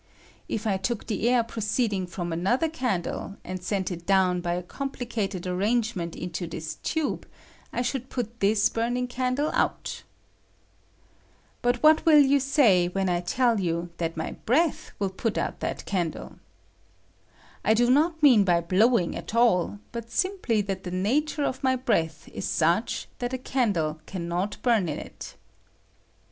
If I took the air proceeding from another can dle, and sent it down by a complicated ar langement into this tube, I should put this burning candle out. But what will you say THE BSEATH EXTINGDI3HE3 COMBUSTION. 169 ■when I tell you that my breath will pat out that candle ? I do not mean by blowing at aU, but simply that the nature of my breath is such that a candle can not bum in it.